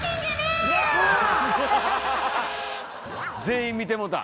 ⁉全員見てもうた。